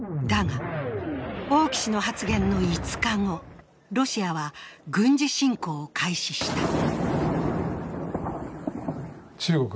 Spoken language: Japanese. だが、王毅氏の発言の５日後、ロシアは軍事侵攻を開始した。